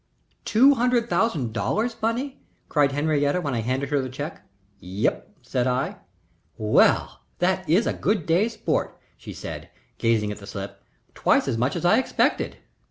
"Two hundred thousand dollars, Bunny?" cried Henriette when I handed her the check. "Yep," said I. "Well, that is a good day's sport!" she said, gazing at the slip. "Twice as much as I expected."